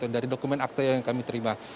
dari dokumen akte yang kami terima